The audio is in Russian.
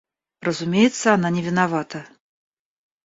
Разумеется, она не виновата.